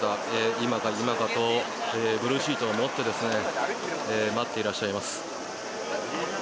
今か今かとブルーシートを持って待っていらっしゃいます。